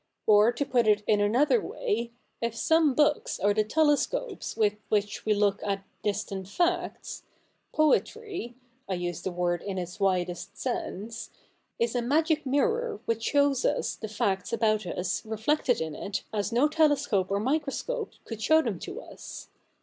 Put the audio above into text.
Or to put it in another way, if some books are the telescopes with which we look at distant facts, poetry — I use the word in its widest sense — is a magic mirror which shows us the facts about us reflected in it as no telescope or microscope could show them to us.